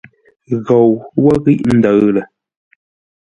Ghou wə́ ghíʼ ndəʉ lə.